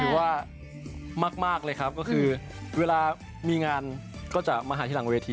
ว่ามากเลยครับก็คือเวลามีงานก็จะมาหาที่หลังเวที